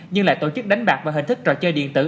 nhưng lại tổ chức đánh bạc và hình thức trò chơi điện tử